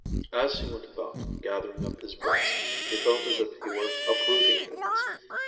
As he went about gathering up his books he felt as if he were uprooting things.